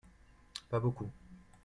Pas beaucoup.